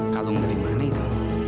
kalung dari mana itu